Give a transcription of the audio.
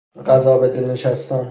غذا به دل نشستن